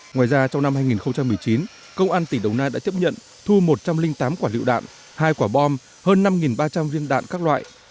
ngoài ra trong năm hai nghìn một mươi chín công an tỉnh đồng nai đã tiếp nhận thu một trăm linh tám quả lựu đạn hai quả bom hơn năm ba trăm linh viên đạn các loại